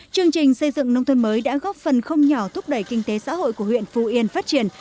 chương trình xây dựng nông thôn mới đã góp phần không nhỏ thúc đẩy kinh tế xã hội của huyện phú yên phát triển